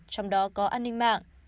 trong đó có an ninh mạng